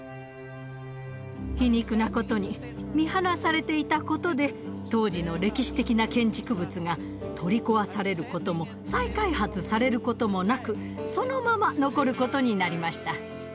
皮肉なことに見放されていたことで当時の歴史的な建築物が取り壊されることも再開発されることもなくそのまま残ることになりました。